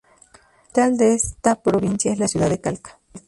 La capital de esta provincia es la ciudad de Calca.